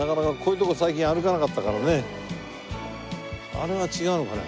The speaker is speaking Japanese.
あれは違うのかね？